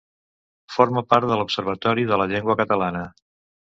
Forma part de l'Observatori de la Llengua Catalana.